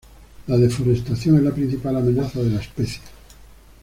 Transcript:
La deforestación es la principal amenaza de la especie.